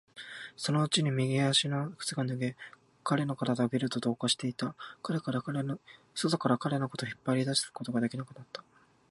そのうちに右足の靴が脱げ、彼の体はゲルと同化していった。外から彼のことを引っ張り出すことができなくなった。